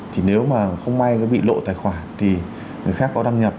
thì nếu mà không may nó bị lộ tài khoản thì người khác có đăng nhập